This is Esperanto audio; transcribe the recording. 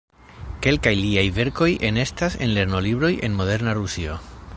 Kelkaj liaj verkoj enestas en lernolibroj en moderna Rusio.